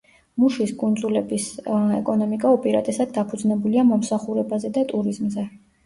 მუშის კუნძულების ეკონომიკა უპირატესად დაფუძნებულია მომსახურებაზე და ტურიზმზე.